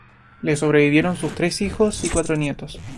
Le sobrevivieron sus tres hijos y cuatro nietos.